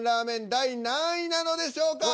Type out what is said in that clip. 第何位なのでしょうか。